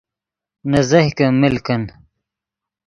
نے زیہکے مل کن